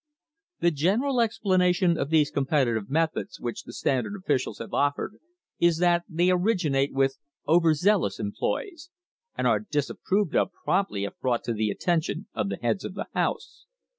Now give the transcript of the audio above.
The general explanation of these competitive methods which the Standard officials have offered, is that they originate with "over zealous" employees and are disapproved of promptly if brought to the attention of the heads of the house.